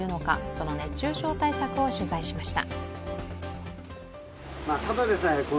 その熱中症対策を取材しました。